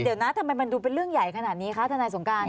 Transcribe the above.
เดี๋ยวนะทำไมมันดูเป็นเรื่องใหญ่ขนาดนี้คะทนายสงการ